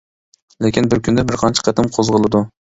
لېكىن بىر كۈندە بىرقانچە قېتىم قوزغىلىدۇ.